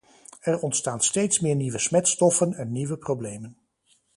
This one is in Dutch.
Er ontstaan steeds meer nieuwe smetstoffen en nieuwe problemen.